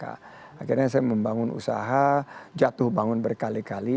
akhirnya saya membangun usaha jatuh bangun berkali kali